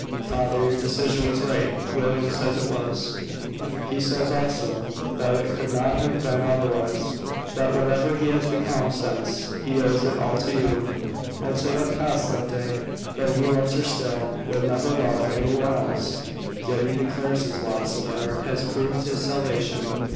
"Father, your decision was right William says it was. He says also, that it could not have been otherwise; that whatever he has become since, he owes it all to you, and to what passed that day. Though he loves her still, will never love any one else; yet he declares his loss of her has proved his salvation."